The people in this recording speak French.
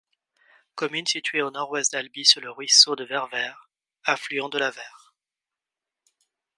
Commune située au nord-ouest d'Albi sur le ruisseau de Vervère, affluent de la Vère.